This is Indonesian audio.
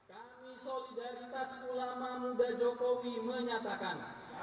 kami solidaritas ulama muda jokowi menyatakan